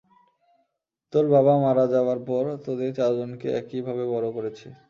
তোর বাবা মারা যাবার পর, তোদের চারজনকে একই ভাবে বড় করেছি।